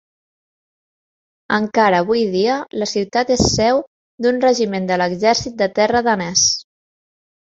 Encara avui dia la ciutat és seu d'un regiment de l'exèrcit de terra danès.